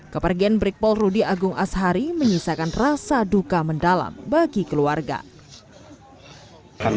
kepergian brikpol rudy agung ashari menyisakan rasa duka mendalam bagi keluarga